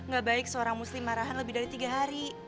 gak baik seorang muslim marahan lebih dari tiga hari